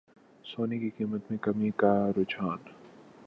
سونے کی قیمتوں میں کمی کا رجحان